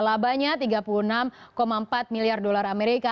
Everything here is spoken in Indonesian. labanya tiga puluh enam empat miliar dolar amerika